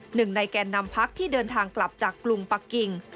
หนึ่งในแก่นนำพักที่เดินทางกลับจากกรุงปะกิ่ง